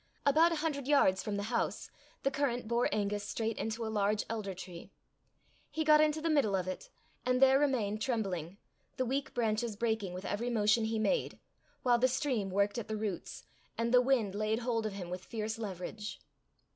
About a hundred yards from the house, the current bore Angus straight into a large elder tree. He got into the middle of it, and there remained trembling, the weak branches breaking with every motion he made, while the stream worked at the roots, and the wind laid hold of him with fierce leverage.